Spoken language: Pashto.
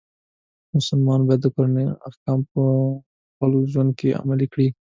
مسلمان باید د قرآن احکام په خپل ژوند کې عملی کړي.